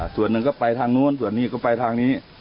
ส่วนหนึ่งก็ไปทางนู้นส่วนนี้ก็ไปทางนี้